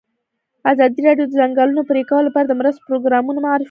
ازادي راډیو د د ځنګلونو پرېکول لپاره د مرستو پروګرامونه معرفي کړي.